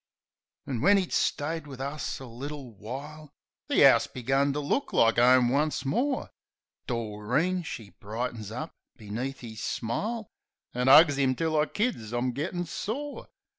An' when 'e'd stayed wiv us a little while The 'ouse begun to look like 'ome once more. Doreen she brightens up beneath 'is smile, An' 'ugs 'im till I kids I'm gettin' sore.